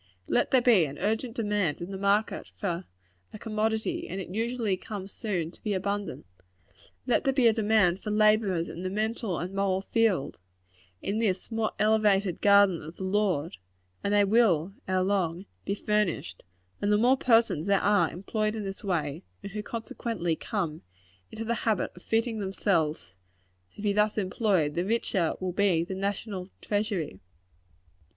Let there be an urgent demand in the market for a commodity, and it usually soon comes to be abundant. Let there be a demand for laborers in the mental and moral field in this more elevated garden of the Lord and they will, ere long, be furnished; and the more persons there are employed in this way, and who consequently come into the habit of fitting themselves to be thus employed, the richer will be the national treasury.